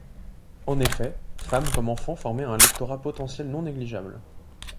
En effet, femmes comme enfants formaient un lectorat potentiel non négligeable.